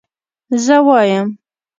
زه وايم